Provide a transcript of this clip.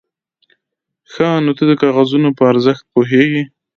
_ښه، نو ته د کاغذونو په ارزښت پوهېږې؟